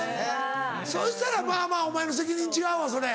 そしたらまぁまぁお前の責任違うわそれ。